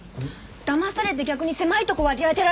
だまされて逆に狭い所割り当てられたとか？